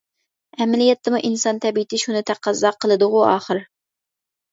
ئەمەلىيەتتىمۇ ئىنسان تەبىئىتى شۇنى تەقەززا قىلىدىغۇ ئاخىر.